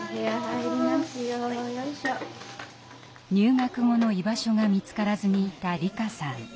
入学後の居場所が見つからずにいた璃香さん。